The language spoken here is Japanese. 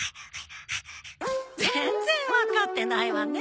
全然わかってないわね。